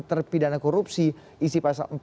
terpidana korupsi isi pasal empat